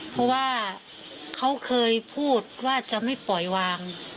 เพราะว่าเขาเคยพูดว่าจะไม่ปล่อยวาง